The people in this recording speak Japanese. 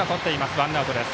ワンアウトです。